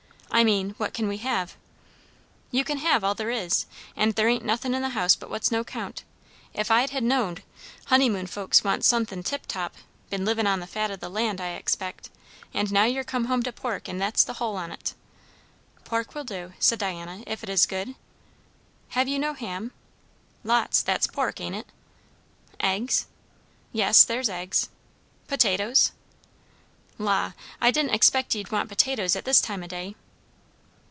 "I mean, what can we have?" "You can have all there is. And there ain't nothin' in the house but what's no 'count. If I'd ha' knowed honeymoon folks wants sun'thin' tip top, been livin' on the fat o' the land, I expect; and now ye're come home to pork; and that's the hull on't." "Pork will do," said Diana, "if it is good. Have you no ham?" "Lots. That's pork, ain't it?" "Eggs?" "Yes, there's eggs." "Potatoes?" "La, I didn't expect ye'd want potatoes at this time o' day."